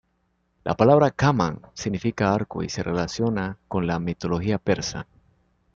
La palabra 'Kaman' significa arco y se relaciona con la mitología persa.